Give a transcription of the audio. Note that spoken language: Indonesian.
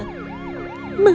maafin aku pak